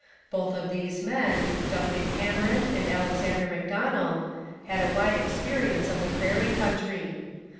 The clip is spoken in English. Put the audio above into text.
Both these men, Duncan Cameron and Alexander Macdonell, had a wide experience of the prairie country.